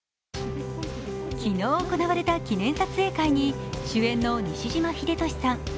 昨日行われた記念撮影会に主演の西島秀俊さん